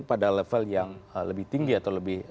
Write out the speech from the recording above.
pada level yang lebih tinggi atau lebih